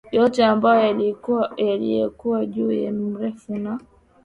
yote ambayo yalikuwa juu ya mirefu na